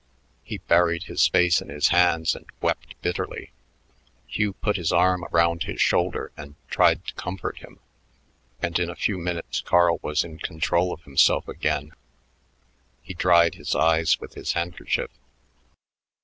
He buried his face in his hands and wept bitterly. Hugh put his arm around his shoulder and tried to comfort him, and in a few minutes Carl was in control of himself again. He dried his eyes with his handkerchief.